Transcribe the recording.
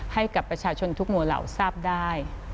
ให้กับประชาชนทุกหมู่เหล่าทราบได้